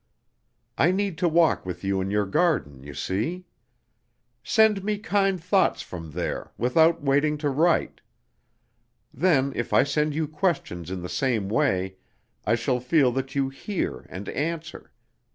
"I need to walk with you in your garden, you see! Send me kind thoughts from there, without waiting to write. Then, if I send you questions in the same way, I shall feel that you hear and answer.